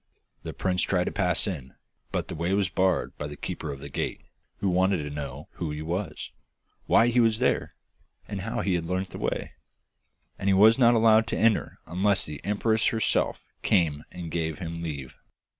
The prince tried to pass in, but the way was barred by the keeper of the gate, who wanted to know who he was, why he was there, and how he had learnt the way, and he was not allowed to enter unless the empress herself came and gave him leave.